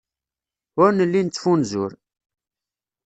Ur nelli nettfunzur.